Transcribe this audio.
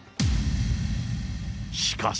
しかし。